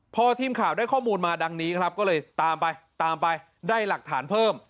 พอทีมข่าวได้ข้อมูลมาดังนี้ครับก็เลยตามไปตามไปได้หลักฐานเพิ่ม